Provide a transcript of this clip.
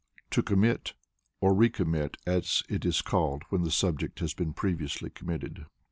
To Commit [or Recommit as it is called when the subject has been previously committed].